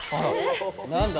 何だ？